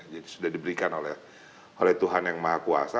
jadi sudah diberikan oleh tuhan yang maha kuasa